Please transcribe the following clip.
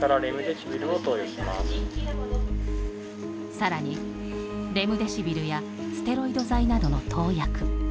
さらに、レムデシビルやステロイド剤などの投薬。